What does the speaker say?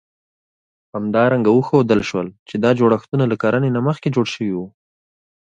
همدارنګه وښودل شول، چې دا جوړښتونه له کرنې نه مخکې جوړ شوي وو.